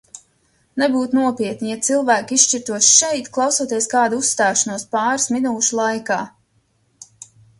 Nebūtu nopietni, ja cilvēki izšķirtos šeit, klausoties kāda uzstāšanos, pāris minūšu laikā.